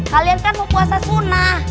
kalian kan mau puasa sunnah